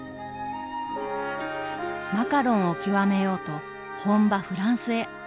マカロンを極めようと本場フランスへ。